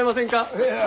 いや。